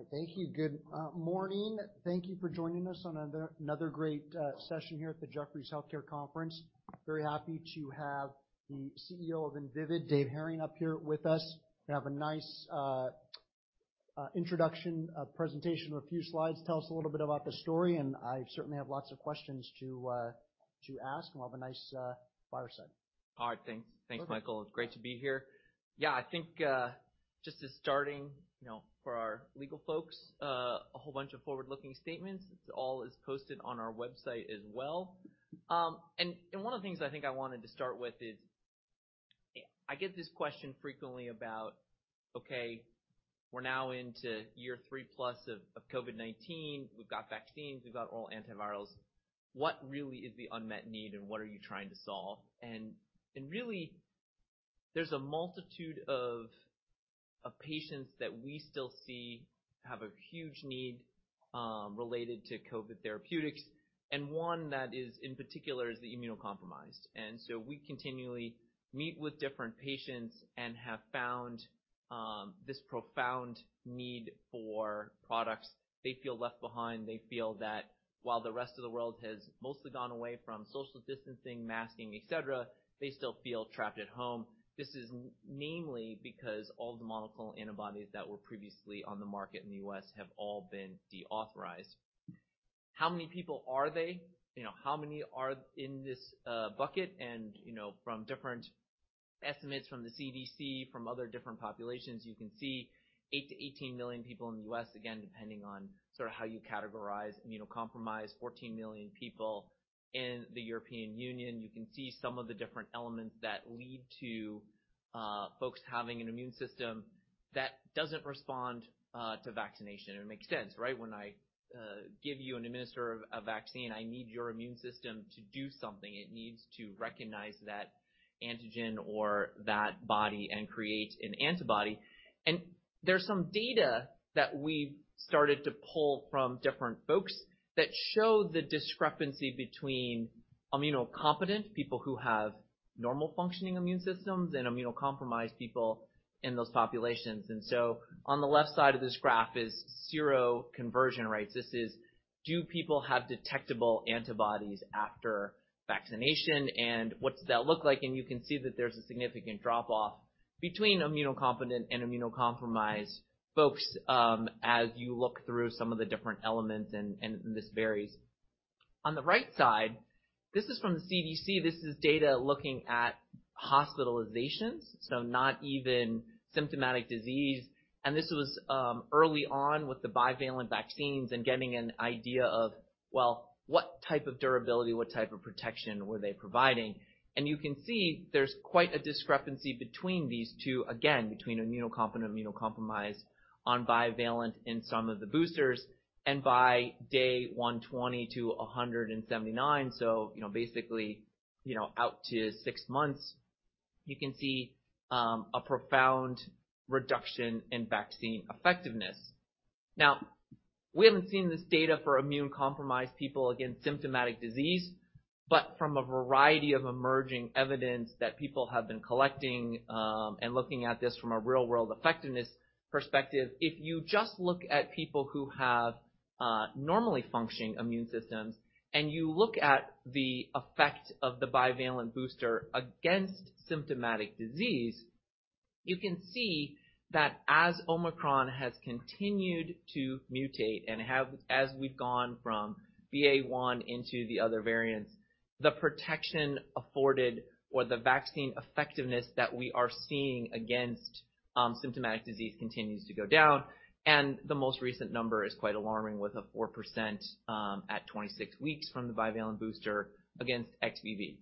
All right, thank you. Good morning. Thank you for joining us on another great session here at the Jefferies Healthcare Conference. Very happy to have the CEO of Invivyd, Dave Hering, up here with us. We have a nice introduction, a presentation with a few slides. Tell us a little bit about the story, and I certainly have lots of questions to ask, and we'll have a nice fireside. All right, thanks. Okay. Thanks, Michael. It's great to be here. I think, just as starting, you know, for our legal folks, a whole bunch of forward-looking statements. It's all is posted on our website as well. One of the things I think I wanted to start with is, I get this question frequently about, okay, we're now into year three plus of COVID-19. We've got vaccines, we've got oral antivirals. What really is the unmet need, and what are you trying to solve? Really, there's a multitude of patients that we still see have a huge need, related to COVID therapeutics, and one that is in particular is the immunocompromised. We continually meet with different patients and have found this profound need for products. They feel left behind. They feel that while the rest of the world has mostly gone away from social distancing, masking, et cetera, they still feel trapped at home. This is mainly because all the monoclonal antibodies that were previously on the market in the U.S. have all been deauthorized. How many people are they? You know, how many are in this bucket? You know, from different estimates from the CDC, from other different populations, you can see 8 million to 18 million people in the U.S., again, depending on sort of how you categorize immunocompromised, 14 million people in the European Union. You can see some of the different elements that lead to folks having an immune system that doesn't respond to vaccination. It makes sense, right? When I give you and administer a vaccine, I need your immune system to do something. There's some data that we've started to pull from different folks that show the discrepancy between immunocompetent, people who have normal functioning immune systems and immunocompromised people in those populations. On the left side of this graph is seroconversion rates. This is: Do people have detectable antibodies after vaccination, and what's that look like? You can see that there's a significant drop-off between immunocompetent and immunocompromised folks, as you look through some of the different elements, and this varies. On the right side, this is from the CDC. This is data looking at hospitalizations, so not even symptomatic disease. This was early on with the bivalent vaccines and getting an idea of, well, what type of durability, what type of protection were they providing? You can see there's quite a discrepancy between these two, again, between immunocompetent and immunocompromised on bivalent in some of the boosters, and by day 120 to 179, you know, basically, you know, out to six months, you can see a profound reduction in vaccine effectiveness. Now, we haven't seen this data for immunocompromised people against symptomatic disease, but from a variety of emerging evidence that people have been collecting, and looking at this from a real-world effectiveness perspective, if you just look at people who have normally functioning immune systems, and you look at the effect of the bivalent booster against symptomatic disease, you can see that as Omicron has continued to mutate and have... As we've gone from BA.1 into the other variants, the protection afforded or the vaccine effectiveness that we are seeing against symptomatic disease continues to go down, and the most recent number is quite alarming, with a 4% at 26 weeks from the bivalent booster against XBB.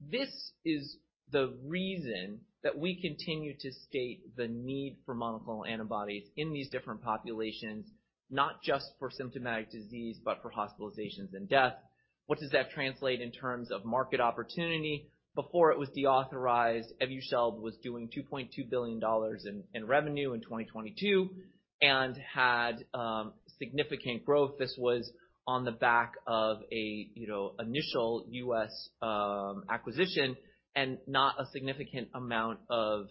This is the reason that we continue to state the need for monoclonal antibodies in these different populations, not just for symptomatic disease, but for hospitalizations and death. What does that translate in terms of market opportunity? Before it was deauthorized, Evusheld was doing $2.2 billion in revenue in 2022 and had significant growth. This was on the back of a, you know, initial U.S. acquisition and not a significant amount of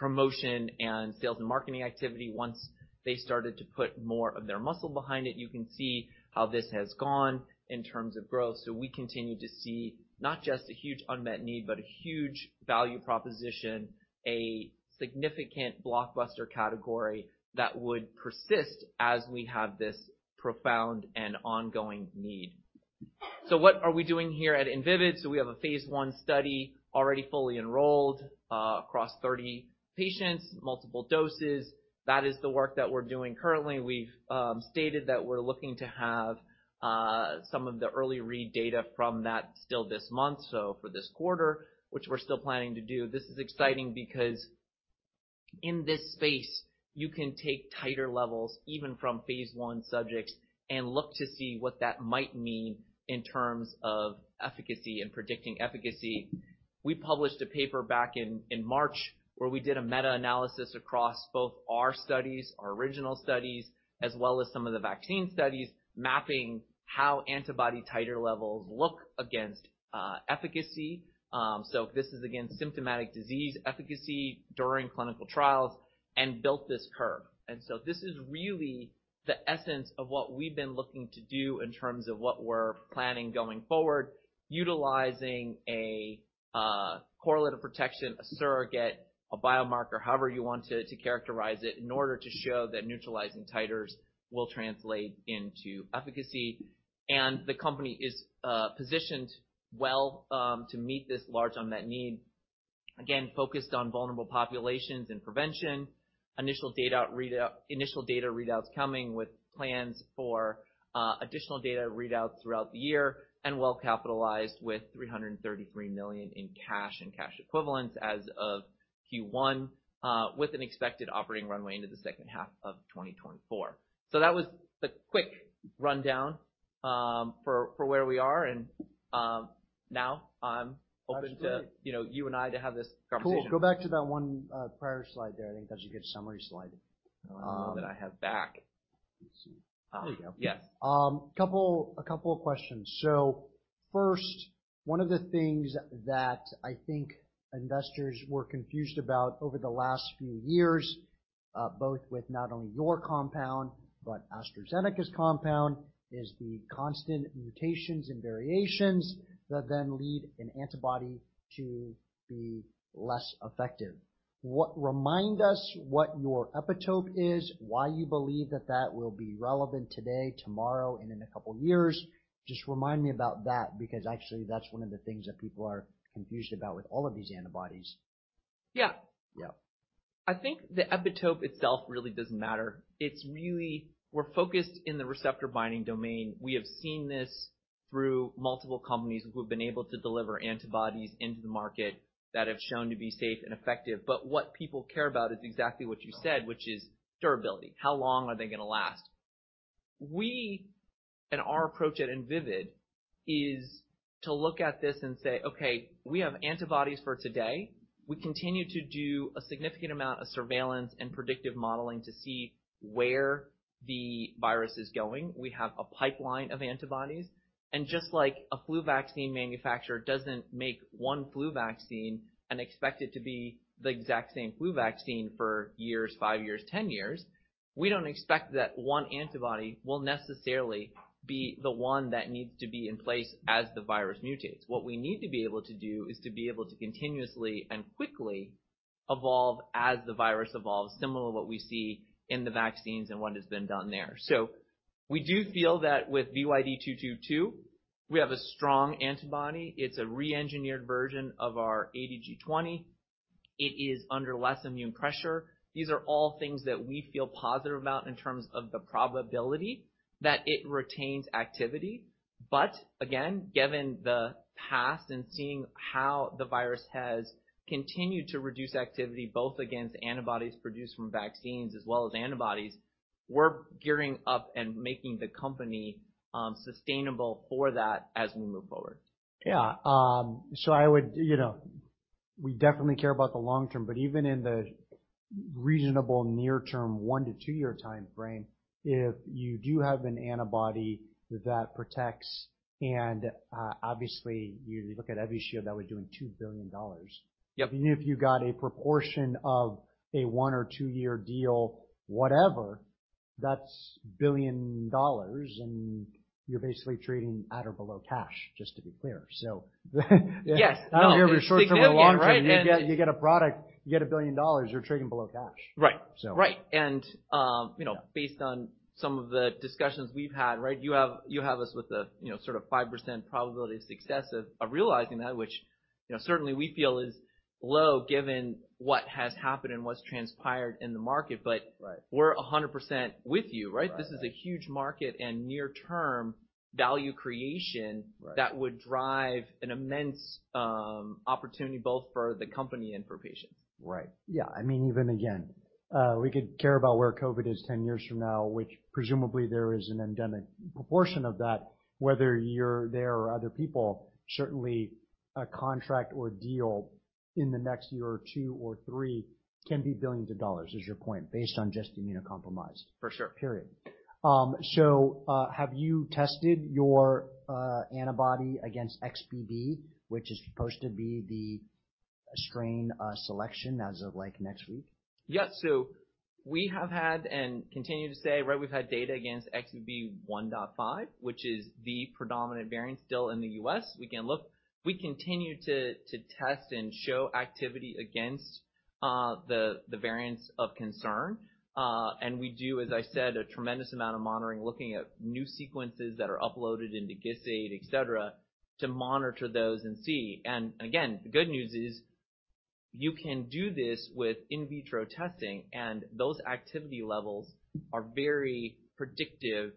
promotion and sales and marketing activity. Once they started to put more of their muscle behind it, you can see how this has gone in terms of growth. We continue to see not just a huge unmet need, but a huge value proposition, a significant blockbuster category that would persist as we have this profound and ongoing need. What are we doing here at Invivyd? We have a phase I study already fully enrolled, across 30 patients, multiple doses. That is the work that we're doing currently. We've stated that we're looking to have some of the early read data from that still this month, so for this quarter, which we're still planning to do. This is exciting because in this space, you can take tighter levels, even from phase 1 subjects, and look to see what that might mean in terms of efficacy and predicting efficacy. We published a paper back in March, where we did a meta-analysis across both our studies, our original studies, as well as some of the vaccine studies, mapping how antibody titer levels look against efficacy. This is again, symptomatic disease efficacy during clinical trials and built this curve. This is really the essence of what we've been looking to do in terms of what we're planning going forward, utilizing a correlative protection, a surrogate, a biomarker, however you want to characterize it, in order to show that neutralizing titers will translate into efficacy. The company is positioned well to meet this large unmet need, again, focused on vulnerable populations and prevention. Initial data readouts coming with plans for additional data readouts throughout the year, and well capitalized with $333 million in cash and cash equivalents as of Q1 with an expected operating runway into the second half of 2024. That was the quick rundown for where we are and now I'm open to- Absolutely. you know, you and I to have this conversation. Cool. Go back to that one, prior slide there. I think that's a good summary slide. That I have back. Let's see. There you go. Yes. A couple of questions. First, one of the things that I think investors were confused about over the last few years, both with not only your compound, but AstraZeneca's compound, is the constant mutations and variations that then lead an antibody to be less effective. Remind us what your epitope is, why you believe that that will be relevant today, tomorrow, and in a couple of years. Just remind me about that, because actually, that's one of the things that people are confused about with all of these antibodies. Yeah. Yeah. I think the epitope itself really doesn't matter. It's really, we're focused in the receptor binding domain. We have seen this through multiple companies who have been able to deliver antibodies into the market that have shown to be safe and effective. What people care about is exactly what you said, which is durability. How long are they gonna last? We, in our approach at Invivyd, is to look at this and say, "Okay, we have antibodies for today." We continue to do a significant amount of surveillance and predictive modeling to see where the virus is going. We have a pipeline of antibodies. Just like a flu vaccine manufacturer doesn't make one flu vaccine and expect it to be the exact same flu vaccine for years, five years, 10 years, we don't expect that one antibody will necessarily be the one that needs to be in place as the virus mutates. What we need to be able to do is to be able to continuously and quickly evolve as the virus evolves, similar to what we see in the vaccines and what has been done there. We do feel that with VYD222, we have a strong antibody. It's a re-engineered version of our ADG20. It is under less immune pressure. These are all things that we feel positive about in terms of the probability that it retains activity. Again, given the past and seeing how the virus has continued to reduce activity, both against antibodies produced from vaccines as well as antibodies, we're gearing up and making the company sustainable for that as we move forward. Yeah, I would, you know, we definitely care about the long term, but even in the reasonable near term, one to two year time frame, if you do have an antibody that protects and, obviously, you look at Evusheld, that was doing $2 billion. Yep. Even if you got a proportion of a one or two-year deal, whatever, that's billion dollars, and you're basically trading at or below cash, just to be clear. Yes, no, it's significant, right? I don't care if it's short term or long term, you get a product, you get $1 billion, you're trading below cash. Right. So. Right. You know, based on some of the discussions we've had, right, you have us with a, you know, sort of 5% probability of success of realizing that, which, you know, certainly we feel is low given what has happened and what's transpired in the market, but. Right. we're 100% with you, right? Right. This is a huge market and near term value creation- Right that would drive an immense opportunity both for the company and for patients. Right. Yeah, I mean, even again, we could care about where COVID is 10 years from now, which presumably there is an endemic proportion of that, whether you're there or other people, certainly a contract or deal in the next year or two or three can be billions of dollars, is your point, based on just immunocompromised. For sure. Period. Have you tested your antibody against XBB, which is supposed to be the strain selection as of next week? Yes. We have had and continue to say, right, we've had data against XBB.1.5, which is the predominant variant still in the U.S. We continue to test and show activity against the variants of concern. We do, as I said, a tremendous amount of monitoring, looking at new sequences that are uploaded into GISAID, et cetera, to monitor those and see. Again, the good news is, you can do this with in vitro testing, and those activity levels are very predictive.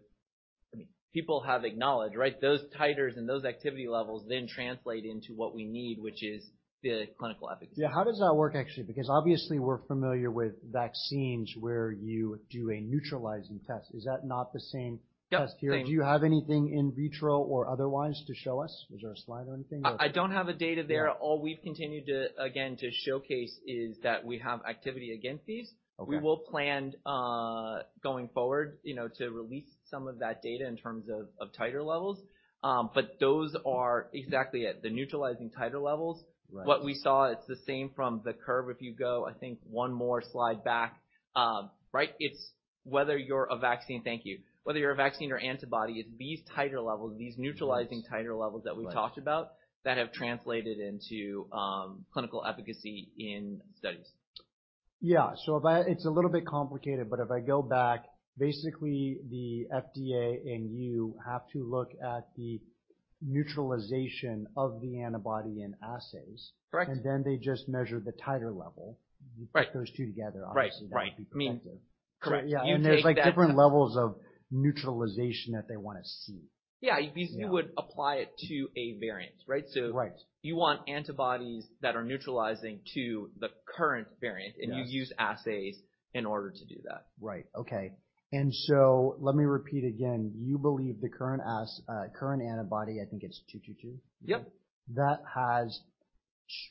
I mean, people have acknowledged, right? Those titers and those activity levels then translate into what we need, which is the clinical efficacy. Yeah. How does that work, actually? Obviously we're familiar with vaccines where you do a neutralizing test. Is that not the same- Yeah. -test here? Do you have anything in vitro or otherwise to show us? Is there a slide or anything? I don't have the data there. Yeah. All we've continued to, again, to showcase is that we have activity against these. Okay. We will plan, going forward, you know, to release some of that data in terms of titer levels. Those are exactly it, the neutralizing titer levels. Right. What we saw, it's the same from the curve. If you go, I think, one more slide back, right? Thank you. Whether you're a vaccine or antibody, it's these titer levels, these neutralizing titer levels. Right That we talked about, that have translated into clinical efficacy in studies. Yeah. It's a little bit complicated, but if I go back, basically, the FDA and you have to look at the neutralization of the antibody in assays. Correct. They just measure the titer level. Right. You put those two together, obviously. Right. that would be effective. Correct. Yeah, there's, like, different levels of neutralization that they want to see. Yeah. Yeah. You would apply it to a variant, right? Right. You want antibodies that are neutralizing to the current variant. Yes. You use assays in order to do that. Right. Okay, let me repeat again. You believe the current current antibody, I think it's VYD222? Yep. That has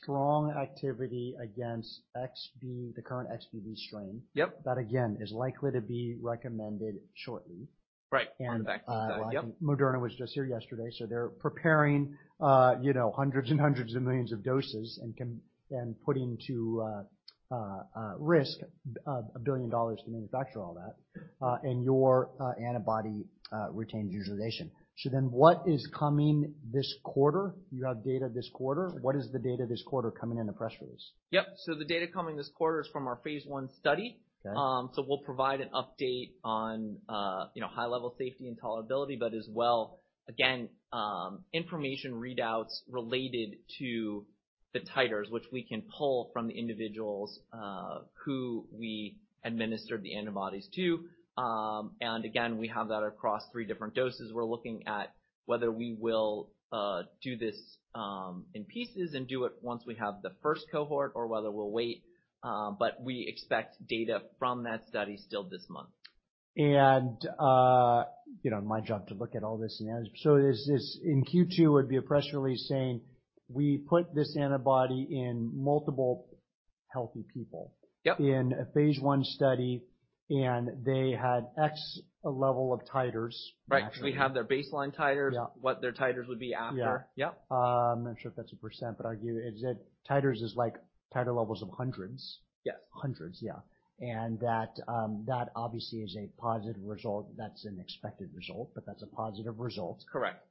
strong activity against XBB, the current XBB strain. Yep. That, again, is likely to be recommended shortly. Right. In fact, yep. Moderna was just here yesterday, they're preparing, you know, hundreds and hundreds of millions of doses and putting to risk $1 billion to manufacture all that, your antibody retains neutralization. What is coming this quarter? You have data this quarter. What is the data this quarter coming in the press release? Yep. The data coming this quarter is from our phase one study. Okay. We'll provide an update on, you know, high-level safety and tolerability, but as well, again, information readouts related to the titers, which we can pull from the individuals who we administered the antibodies to. Again, we have that across three different doses. We're looking at whether we will do this in pieces and do it once we have the first cohort or whether we'll wait, we expect data from that study still this month. you know, my job to look at all this analysis. is this in Q2, would be a press release saying, "We put this antibody in multiple healthy people- Yep in a phase I study, they had X level of titers? Right. We have their baseline titers. Yeah. What their titers would be after. Yeah. Yeah. I'm not sure if that's a percent. I argue, is it, titers is like titer levels of hundreds? Yes. Hundreds, yeah. That obviously is a positive result. That's an expected result, but that's a positive result. Correct.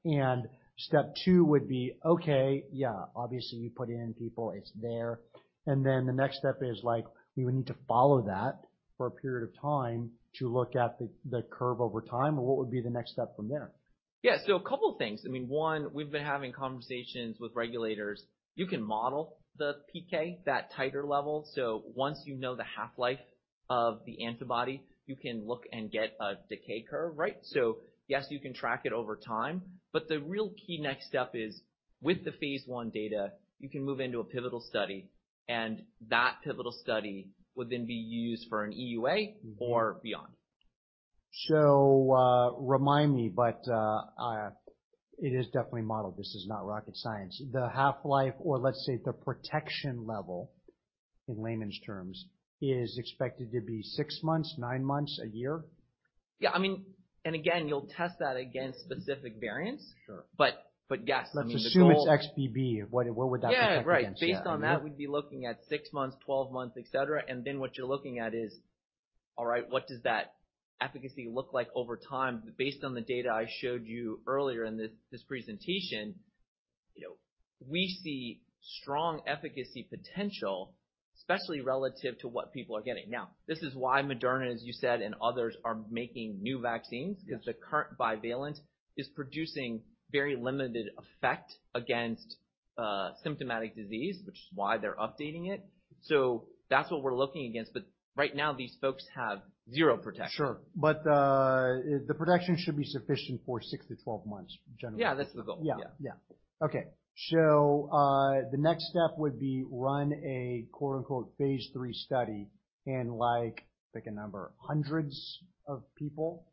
Step two would be, okay, yeah, obviously, you put in people, it's there. Then the next step is like, we would need to follow that for a period of time to look at the curve over time, or what would be the next step from there? Yeah. A couple of things. I mean, one, we've been having conversations with regulators. You can model the PK, that titer level. Once you know the half-life of the antibody, you can look and get a decay curve, right? Yes, you can track it over time, but the real key next step is with the phase I data, you can move into a pivotal study, and that pivotal study would then be used for an EUA or beyond. Remind me, it is definitely modeled. This is not rocket science. The half-life, or let's say, the protection level, in layman's terms, is expected to be six months, nine months, a year? Yeah, I mean... again, you'll test that against specific variants. Sure. yes, I mean. Let's assume it's XBB. What, where would that protect against that? Yeah, right. Based on that, we'd be looking at six months, 12 months, et cetera. What you're looking at is, all right, what does that efficacy look like over time? Based on the data I showed you earlier in this presentation, you know, we see strong efficacy potential, especially relative to what people are getting. Now, this is why Moderna, as you said, and others are making new vaccines. Yeah. The current bivalent is producing very limited effect against symptomatic disease, which is why they're updating it. That's what we're looking against, but right now, these folks have zero protection. Sure. The protection should be sufficient for six to 12 months, generally? Yeah, that's the goal. Yeah. Yeah. Yeah. Okay, the next step would be run a quote, unquote, "phase III study" in like, pick a number, hundreds of people,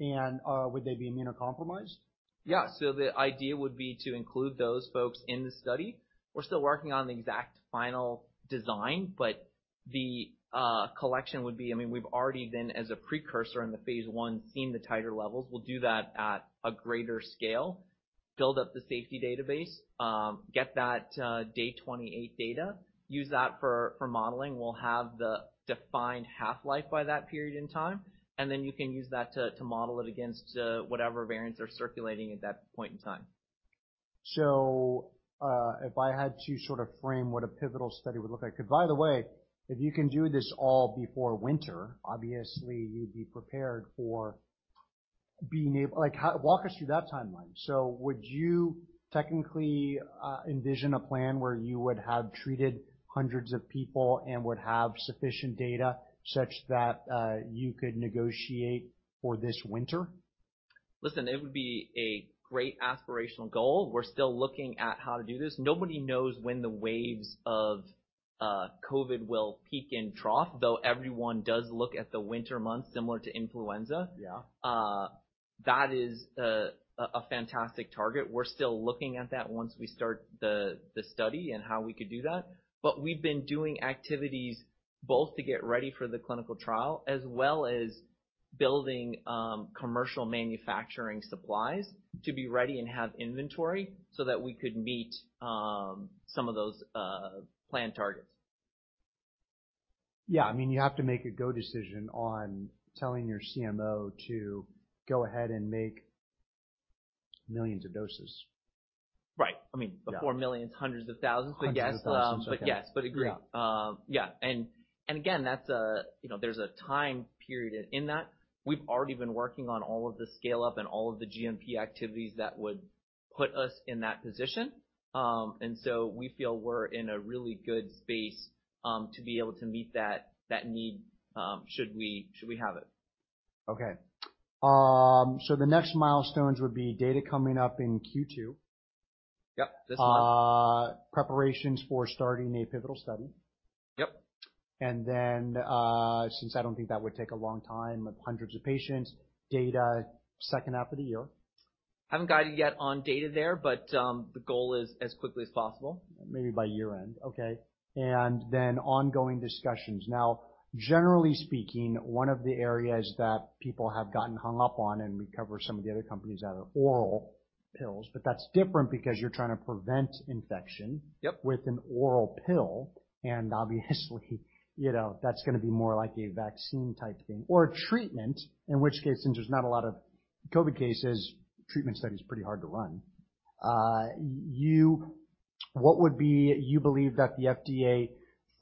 and would they be immunocompromised? Yeah. The idea would be to include those folks in the study. We're still working on the exact final design, but the collection would be... I mean, we've already been, as a precursor in the phase I, seen the titer levels. We'll do that at a greater scale, build up the safety database, get that day 28 data, use that for modeling. We'll have the defined half-life by that period in time, and then you can use that to model it against whatever variants are circulating at that point in time. If I had to sort of frame what a pivotal study would look like, because by the way, if you can do this all before winter, obviously you'd be prepared for. Like, how, walk us through that timeline? Would you technically, envision a plan where you would have treated hundreds of people and would have sufficient data such that, you could negotiate for this winter? Listen, it would be a great aspirational goal. We're still looking at how to do this. Nobody knows when the waves of COVID will peak and trough, though everyone does look at the winter months, similar to influenza. Yeah. That is a fantastic target. We're still looking at that once we start the study and how we could do that. We've been doing activities both to get ready for the clinical trial, as well as building commercial manufacturing supplies to be ready and have inventory so that we could meet some of those planned targets. Yeah, I mean, you have to make a go decision on telling your CMO to go ahead and make millions of doses. Right. I mean... Yeah. before millions, hundreds of thousands. Hundreds of thousands, okay. yes, but agreed. Yeah. Yeah, and again, you know, there's a time period in that. We've already been working on all of the scale-up and all of the GMP activities that would put us in that position. We feel we're in a really good space, to be able to meet that need, should we have it. Okay. The next milestones would be data coming up in Q2. Yep, this month. Preparations for starting a pivotal study. Yep. Since I don't think that would take a long time, with hundreds of patients, data second half of the year. Haven't guided yet on data there, but, the goal is as quickly as possible. Maybe by year-end. Okay. Then ongoing discussions. Now, generally speaking, one of the areas that people have gotten hung up on, and we cover some of the other companies, that are oral pills, but that's different because you're trying to prevent infection- Yep. with an oral pill. Obviously, you know, that's gonna be more like a vaccine type thing or a treatment, in which case, since there's not a lot of COVID cases, treatment study is pretty hard to run. You believe that the FDA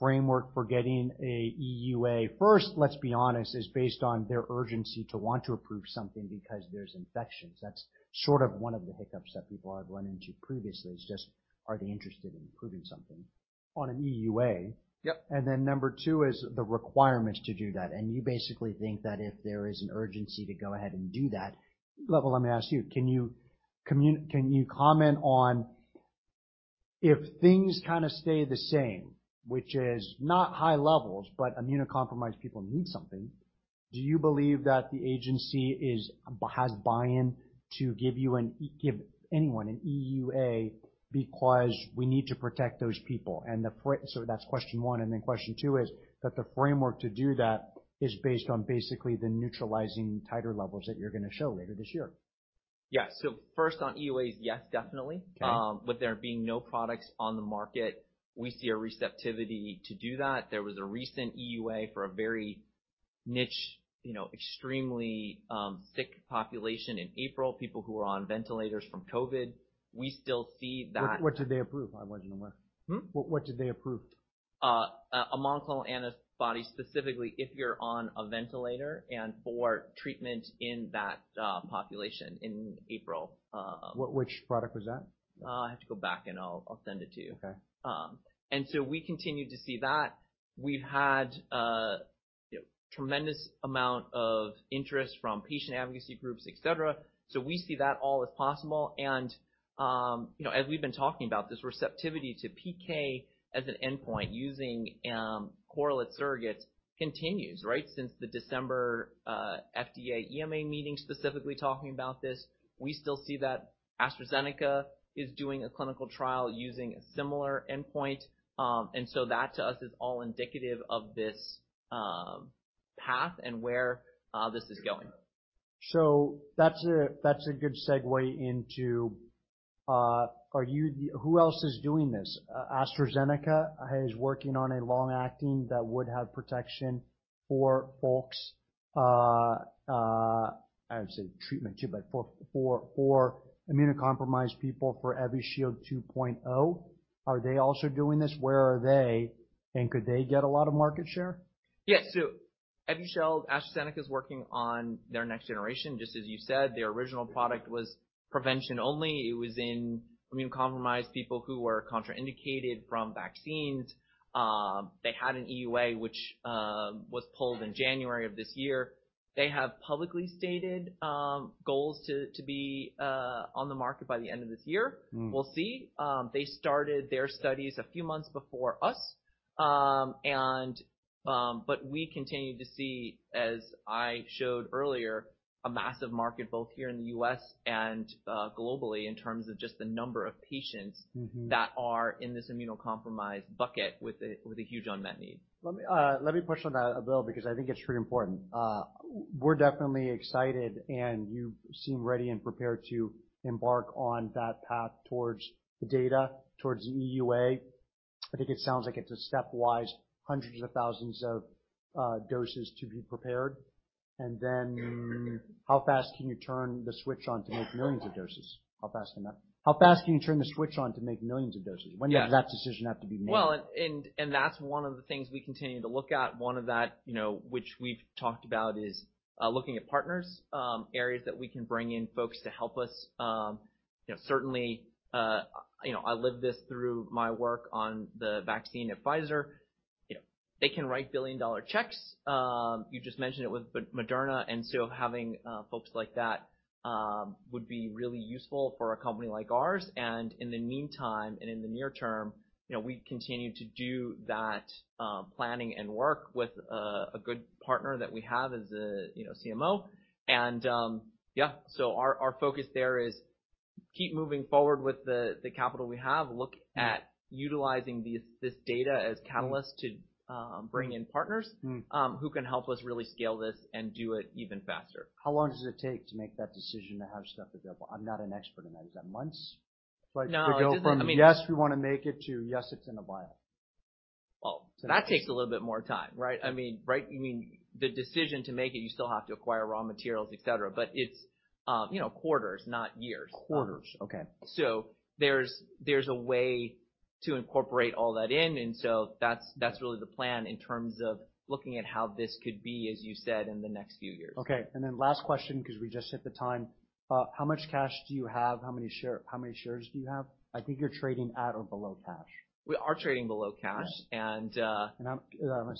framework for getting a EUA, first, let's be honest, is based on their urgency to want to approve something because there's infections. That's sort of one of the hiccups that people have run into previously, is just are they interested in approving something on an EUA? Yep. Number two is the requirements to do that. You basically think that if there is an urgency to go ahead and do that. Let me ask you, can you comment on if things kind of stay the same, which is not high levels, but immunocompromised people need something, do you believe that the agency is, has buy-in to give anyone an EUA because we need to protect those people? That's question one, question two is that the framework to do that is based on basically the neutralizing titer levels that you're going to show later this year. Yeah. first on EUAs, yes, definitely. Okay. With there being no products on the market, we see a receptivity to do that. There was a recent EUA for a very niche, you know, extremely sick population in April, people who were on ventilators from COVID. What did they approve? I wasn't aware. Hmm? What did they approve? A monoclonal antibody, specifically if you're on a ventilator and for treatment in that population in April. Which product was that? I have to go back, and I'll send it to you. Okay. We continue to see that. We've had a, tremendous amount of interest from patient advocacy groups, et cetera. We see that all as possible, and, you know, as we've been talking about, this receptivity to PK as an endpoint using correlate surrogates continues, right? Since the December FDA EMA meeting, specifically talking about this. We still see that AstraZeneca is doing a clinical trial using a similar endpoint. That to us, is all indicative of this path and where this is going. That's a good segue into, Who else is doing this? AstraZeneca is working on a long-acting that would have protection for folks, I would say treatment too, but for immunocompromised people, for Evusheld 2.0. Are they also doing this? Where are they, and could they get a lot of market share? Yes. Evusheld, AstraZeneca, is working on their next generation. Just as you said, their original product was prevention only. It was in immunocompromised people who were contraindicated from vaccines. They had an EUA, which was pulled in January of this year. They have publicly stated goals to be on the market by the end of this year. Mm. We'll see. They started their studies a few months before us. We continue to see, as I showed earlier, a massive market, both here in the U.S. and globally, in terms of just the number of patients... Mm-hmm. that are in this immunocompromised bucket with a huge unmet need. Let me, let me push on that a little, because I think it's pretty important. We're definitely excited, and you seem ready and prepared to embark on that path towards the data, towards the EUA. I think it sounds like it's a stepwise hundreds of thousands of doses to be prepared. How fast can you turn the switch on to make millions of doses? How fast can you turn the switch on to make millions of doses? Yes. When does that decision have to be made? Well, that's one of the things we continue to look at. One of that, you know, which we've talked about, is looking at partners, areas that we can bring in folks to help us. You know, certainly, I lived this through my work on the vaccine at Pfizer. You know, they can write billion-dollar checks. You just mentioned it with Moderna, having folks like that would be really useful for a company like ours. In the meantime, and in the near term, you know, we continue to do that, planning and work with a good partner that we have as a, you know, CMO. Yeah, our focus there is keep moving forward with the capital we have, look at utilizing this data as catalysts to bring in partners- Mm. who can help us really scale this and do it even faster. How long does it take to make that decision to have stuff available? I'm not an expert in that. Is that months? No, it doesn't, I mean. Like, to go from, "Yes, we want to make it," to, "Yes, it's in a vial. Well, that takes a little bit more time, right? I mean, right, I mean, the decision to make it, you still have to acquire raw materials, et cetera, but it's, you know, quarters, not years. Quarters. Okay. There's a way to incorporate all that in. That's really the plan in terms of looking at how this could be, as you said, in the next few years. Okay. Then last question, 'cause we just hit the time. How much cash do you have? How many shares do you have? I think you're trading at or below cash. We are trading below cash. Yeah. And, uh- I'm.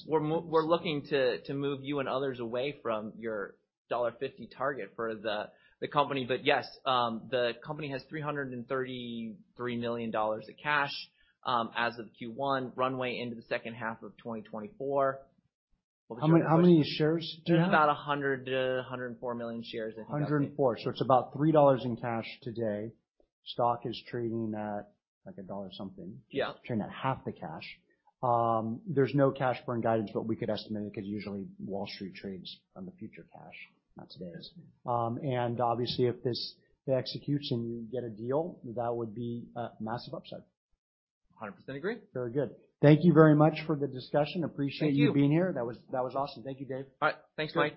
We're looking to move you and others away from your $1.50 target for the company. Yes, the company has $333 million of cash as of Q1, runway into the second half of 2024. How many shares do you have? About 100 million shares-104 million shares, I think. 104. It's about $3 in cash today. Stock is trading at, like, a dollar something. Yeah. Trading at half the cash. There's no cash burn guidance. We could estimate it, 'cause usually Wall Street trades on the future cash, not today's. Obviously, if this executes and you get a deal, that would be a massive upside. 100% agree. Very good. Thank you very much for the discussion. Thank you. Appreciate you being here. That was awesome. Thank you, Dave. All right. Thanks, Mike.